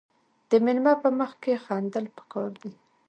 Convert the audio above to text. د میلمه په مخ کې خندل پکار دي.